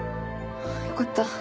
よかった。